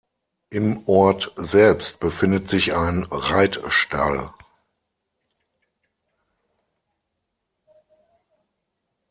Im Ort selbst befindet sich ein Reitstall.